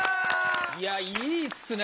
いやいいっすね。